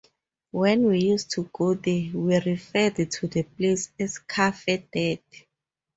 When we used to go there, we referred to the place as Cafe Dead.